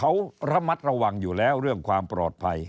เขาบอกว่าทุกวันนี้เขาระมัดระวังอยู่แล้วเรื่องความปลอดภัย